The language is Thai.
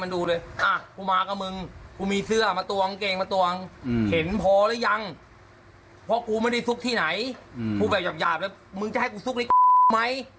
พูดแบบหย่ามแล้วมึงจะให้มือซุกไหม